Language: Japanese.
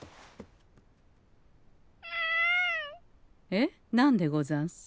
えっ何でござんす？